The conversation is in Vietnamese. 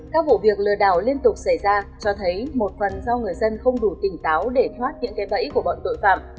các vụ việc lừa đảo liên tục xảy ra cho thấy một phần do người dân không đủ tỉnh táo để thoát những cái bẫy của bọn tội phạm